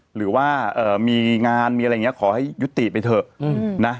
หรือว่ามีงานมีอะไรอย่างนี้ขอให้ยุติไปเถอะนะ